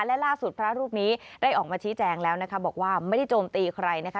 และล่าสุดพระรูปนี้ได้ออกมาชี้แจงแล้วนะคะบอกว่าไม่ได้โจมตีใครนะคะ